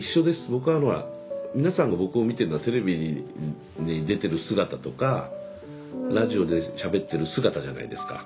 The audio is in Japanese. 僕は皆さんが僕を見てるのはテレビに出てる姿とかラジオでしゃべってる姿じゃないですか。